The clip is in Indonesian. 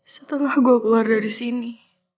setengah gue keluar dari sini